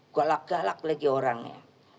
galak galak lagi orangnya